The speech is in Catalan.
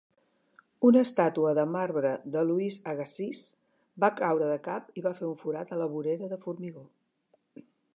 Una estàtua de marbre de Louis Agassiz va caure de cap i va fer un forat a la vorera de formigó.